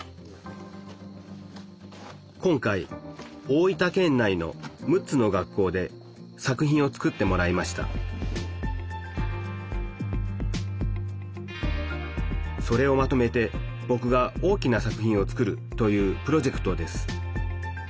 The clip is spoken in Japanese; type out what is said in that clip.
今回大分県内の６つの学校で作品を作ってもらいましたそれをまとめてぼくが大きな作品を作るというプロジェクトです